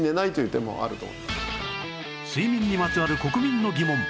睡眠にまつわる国民の疑問